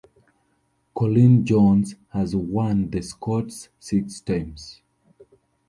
Colleen Jones has won the Scotts six times.